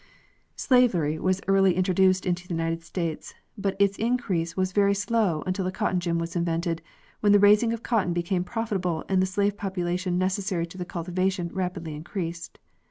Slavery was early introduced into the United States, but its increase was very slow until the cotton gin was invented, when ~ the raising of cotton became profitable and the slave popula tion necessary to the cultivation rapidly increased.